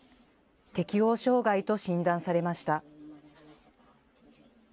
適応障害と診断されました。